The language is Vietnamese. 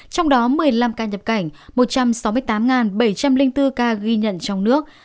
trong đó một mươi năm ca nhập cảnh một trăm sáu mươi tám bảy trăm linh bốn ca ghi nhận trong nước